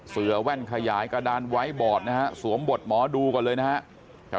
แว่นขยายกระดานไว้บอดนะฮะสวมบทหมอดูก่อนเลยนะครับ